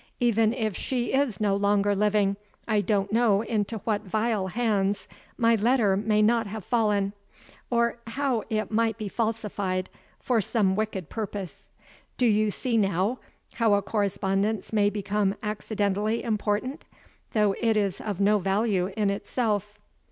Even if she is no longer living, I don't know into what vile hands my letter may not have fallen, or how it might be falsified for some wicked purpose. Do you see now how a correspondence may become accidentally important, though it is of no value in itself?"